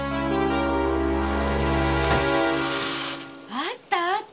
あったあった！